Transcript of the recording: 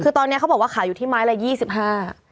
คือตอนนี้เขาบอกว่าขายอยู่ที่ไม้ละ๒๕บาท